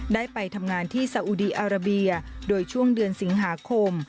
ได้ไปทำงานที่สาอุดีอาราเบียโดยช่วงเดือนสิงหาคม